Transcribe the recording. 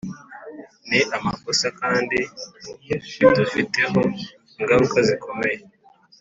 ni amakosa kandi bidufiteho ingaruka zikomeye